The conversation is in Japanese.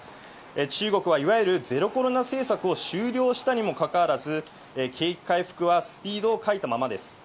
中国はいわゆるゼロコロナ政策を終了したにもかかわらず、景気回復はスピードを欠いたままです。